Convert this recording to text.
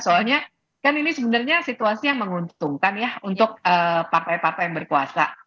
soalnya kan ini sebenarnya situasi yang menguntungkan ya untuk partai partai yang berkuasa